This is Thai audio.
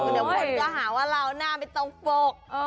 เดี๋ยวคนก็หาว่าเราหน้าไม่ต้องปก